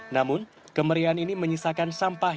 namun kemeriahan ini menyisakan sampah